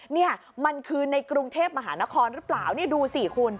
นี่มันคือในกรุงเทพมหานครหรือเปล่านี่ดูสิคุณ